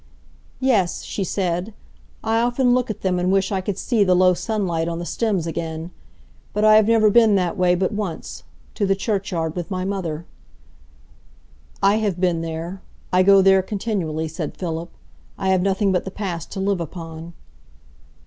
"Yes," she said, "I often look at them, and wish I could see the low sunlight on the stems again. But I have never been that way but once,—to the churchyard with my mother." "I have been there, I go there, continually," said Philip. "I have nothing but the past to live upon."